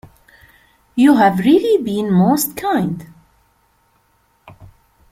You have really been most kind.